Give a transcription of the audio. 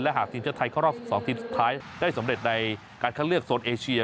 หากทีมชาติไทยเข้ารอบ๑๒ทีมสุดท้ายได้สำเร็จในการคัดเลือกโซนเอเชีย